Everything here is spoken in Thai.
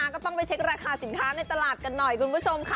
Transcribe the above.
ก็ต้องไปเช็คราคาสินค้าในตลาดกันหน่อยคุณผู้ชมค่ะ